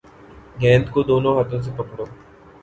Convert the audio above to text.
گیند کو دونوں ہاتھوں سے پکڑو